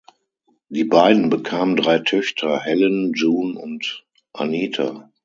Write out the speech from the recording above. Die beiden bekamen drei Töchter, Helen, June und Anita.